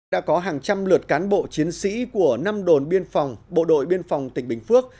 đã có hàng trăm lượt cán bộ chiến sĩ của năm đồn biên phòng bộ đội biên phòng tỉnh bình phước